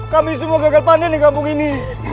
kami semua gagal panen di kampung ini